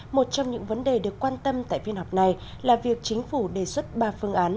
một trong những vấn đề được quan tâm tại phiên họp này là việc chính phủ đề xuất ba phương án